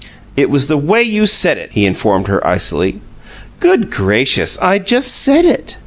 "It was the way you said it," he informed her, icily. "Good gracious! I just said it!"